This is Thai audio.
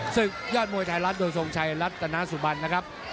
ศึกยอดมวยไทยรัฐโดยทรงชัยรัตนาสุบันนะครับ